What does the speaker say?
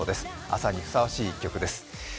朝にふさわしい曲です。